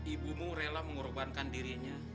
ibumu rela mengorbankan dirinya